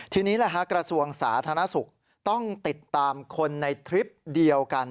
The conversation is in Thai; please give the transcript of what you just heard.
ทีนี้กระทรวงสาธารณสุขต้องติดตามคนในทริปเดียวกัน